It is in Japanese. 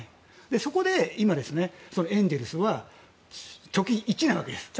そこで今、エンゼルスは貯金１なわけです。